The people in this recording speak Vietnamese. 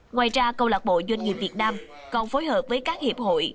ngoài ra câu lạc bộ doanh nghiệp việt nam còn phối hợp với các hiệp hội